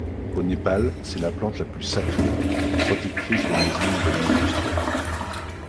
Au Népal c'est la plante la plus sacrée, protectrice des maisons nouvellement construites.